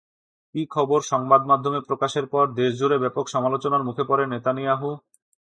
কি খবর সংবাদমাধ্যমে প্রকাশের পর দেশজুড়ে ব্যাপক সমালোচনার মুখে পড়েন নেতানিয়াহু?